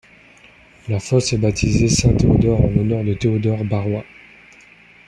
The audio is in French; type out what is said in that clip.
La fosse est baptisée Saint-Théodore en l'honneur de Théodore Barrois.